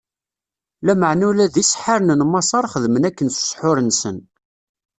Lameɛna ula d iseḥḥaren n Maṣer xedmen akken s ssḥur-nsen.